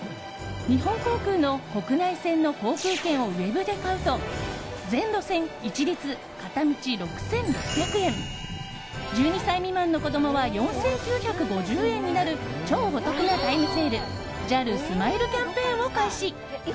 日本航空の国内線の航空券をウェブで買うと全路線一律片道６６００円１２歳未満の子供は４９５０円になる超お得なタイムセールＪＡＬスマイルキャンペーンを開始。